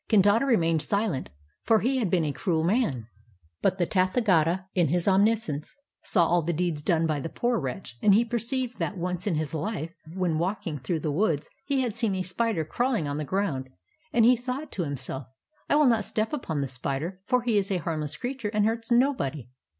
" Kandata remained silent, for he had been a cruel man, but the Tathagata in his omniscience saw all the deeds done by the poor wretch, and he perceived that once in his life when walking through the woods he had seen a spider crawling on the groimd, and he thought to himself, *I \\ ill not step upon the spider, for he is a harmless creature and hurts nobody.'